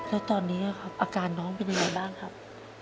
แล้วตอนนี้ครับอาการน้องเป็นยังไงบ้างครับ